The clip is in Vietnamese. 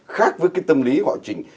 khác với cái tâm lý họ trình